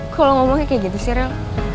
kalau ngomongnya kayak gitu sih farel